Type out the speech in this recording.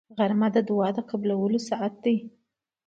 غرمه د دعا د قبولو ساعت دی